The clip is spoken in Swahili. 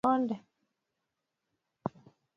Dalili za ugonjwa wan dui kwa ngamia